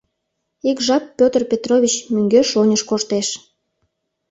Ик жап Пётр Петрович мӧҥгеш-оньыш коштеш.